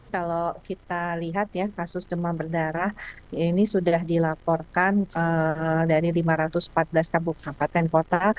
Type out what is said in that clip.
kalau kita lihat ya kasus demam berdarah ini sudah dilaporkan dari lima ratus empat belas kabupaten kota